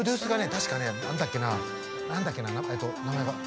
確かね何だっけな何だっけな名前が。